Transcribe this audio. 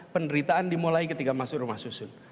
penderitaan dimulai ketika masuk rumah susun